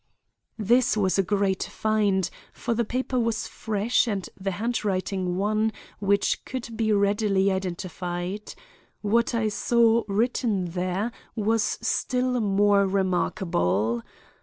This was a great find, for the paper was fresh and the handwriting one which could be readily identified. What I saw written there was still more remarkable.